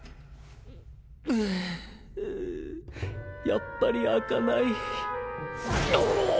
やっぱり開かないうお！